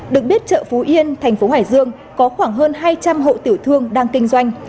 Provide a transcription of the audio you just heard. được biết chợ phú yên thành phố hải dương có khoảng hơn hai trăm linh hộ tiểu thương đang kinh doanh